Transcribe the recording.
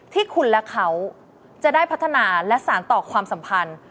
ที่คุณและเขาจะได้พัฒนาและสารต่อความสัมพันธ์